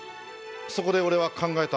そこで俺は考えた。